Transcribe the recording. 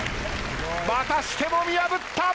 またしても見破った。